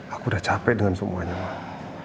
aku udah capek dengan semuanya mah